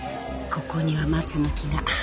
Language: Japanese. ここには松の木が。